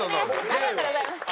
ありがとうございます。